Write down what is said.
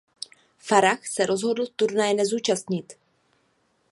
Farah se rozhodl turnaje nezúčastnit.